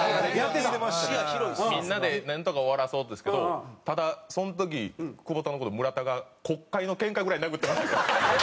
みんなでなんとか終わらそうとするんですけどただその時久保田の事を村田が国会のケンカぐらい殴ってましたね。